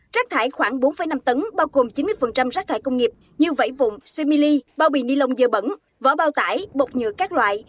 rắc thải khoảng bốn năm tấn bao gồm chín mươi rắc thải công nghiệp như vẫy vụng simili bao bì nilon dơ bẩn vỏ bao tải bột nhựa các loại